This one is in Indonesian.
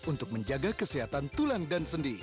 untuk menjaga kesehatan tulang dan sendi